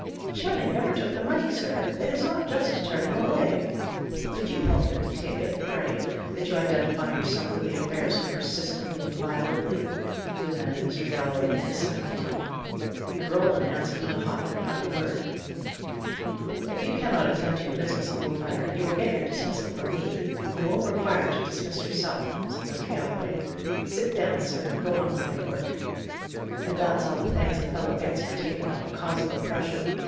"Channing never took the money, sir! It is not just to turn him away." "Did you help him to take it, pray, that you identify yourself with the affair so persistently and violently?" demanded Mr. Galloway, in a cynical tone. And Roland answered with a hot and haughty word. "If you cannot attend to your business a little better, you will get your dismissal from me; you won't require to dismiss yourself," said Mr. Galloway. "Sit down, sir, and go on with your work." "And that's all the thanks a fellow gets for taking up a cause of oppression!"